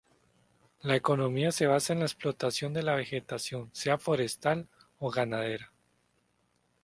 La economía se basa en la explotación de la vegetación, sea forestal o ganadera.